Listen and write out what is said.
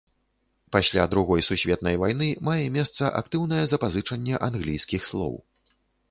Пасля другой сусветнай вайны мае месца актыўнае запазычанне англійскіх слоў.